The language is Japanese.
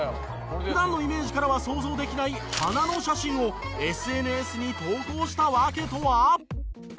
普段のイメージからは想像できない花の写真をＳＮＳに投稿した訳とは？